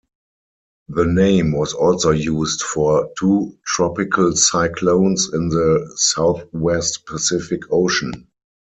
The name was also used for two tropical cyclones in the Southwest Pacific Ocean.